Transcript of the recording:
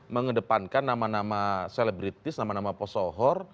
mengedepankan nama nama selebritis nama nama pesohor